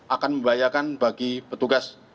akan membahayakan bagi petugas